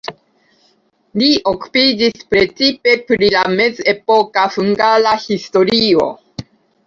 Li okupiĝis precipe pri la mezepoka hungara historio.